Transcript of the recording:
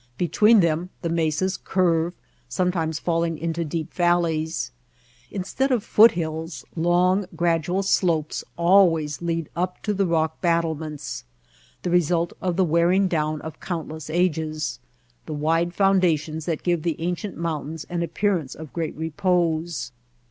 Between them the mesas curve, sometimes fall ing into deep valleys. Instead of foothills, long gradual slopes always lead up to the rock battle ments, the result of the Avearing down of count less ages, the wide foundations that give the ancient mountains an appearance of great repose.